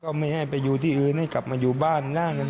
ไม่ให้ไปอยู่ที่อื่นให้กลับมาอยู่บ้านหน้าเงิน